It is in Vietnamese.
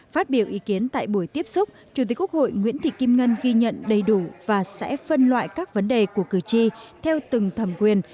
phát biểu ý kiến tại buổi tiếp xúc chủ tịch quốc hội nguyễn thị kim ngân ghi nhận đầy đủ và sẽ phân loại các vấn đề của cử tri theo từng thẩm quyền